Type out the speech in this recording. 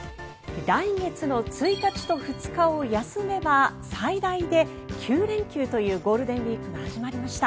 来月の１日と２日を休めば最大で９連休というゴールデンウィークが始まりました。